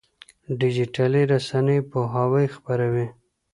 ډيجيټلي رسنۍ پوهاوی خپروي.